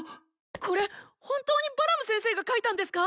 これ本当にバラム先生がかいたんですか？